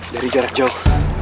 dari jarak jauh